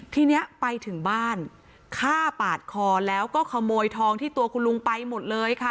ทีนี้ไปถึงบ้านฆ่าปาดคอแล้วก็ขโมยทองที่ตัวคุณลุงไปหมดเลยค่ะ